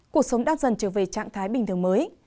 cuộc sống đang dần trở về trạng thái bình thường mới